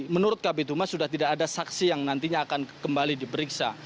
menurut kb tumas sudah tidak ada saksi yang nantinya akan kembali diperiksa